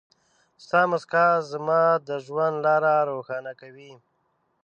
ستا مسکا زما د ژوند لاره روښانه کوي.